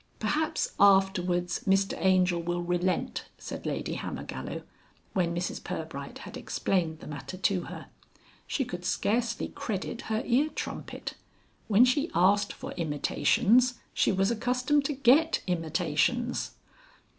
"Perhaps afterwards Mr Angel will Relent," said Lady Hammergallow, when Mrs Pirbright had explained the matter to her. She could scarcely credit her ear trumpet. When she asked for Imitations she was accustomed to get Imitations.